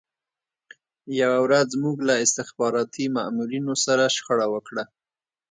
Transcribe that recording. یوه ورځ موږ له استخباراتي مامورینو سره شخړه وکړه